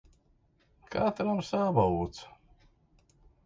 Katram sava uts.